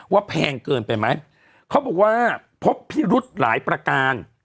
แพงเกินไปไหมเขาบอกว่าพบพิรุธหลายประการ